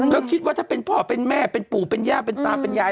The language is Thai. แล้วคิดว่าถ้าเป็นพ่อเป็นแม่เป็นปู่เป็นย่าเป็นตาเป็นยาย